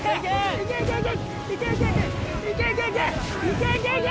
いけいけいけ！